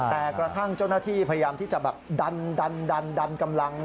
แต่กระทั่งเจ้าหน้าที่พยายามที่จะแบบดันกำลัง